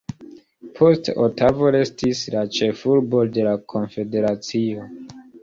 Poste, Otavo restis la ĉefurbo de la konfederacio.